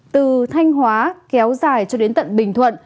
từ thanh hóa kéo dài cho đến tận bình thuận